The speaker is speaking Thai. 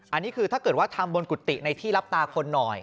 อันนี้คือถ้าเกิดว่าทำบนกุฏิในที่รับตาคนหน่อย